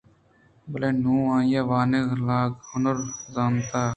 بلے نُوں آئی ءِ واہُند ءَ لاگ ءِ ہُنر زانتاں